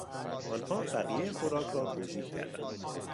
آنها بقیهی خوراک را توزیع کردند.